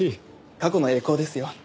過去の栄光ですよ。